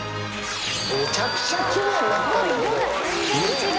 めちゃくちゃきれいになったんだけど。